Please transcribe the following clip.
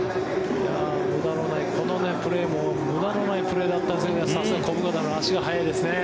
このプレーも無駄のないプレーだったんですがさすが小深田は足が速いですね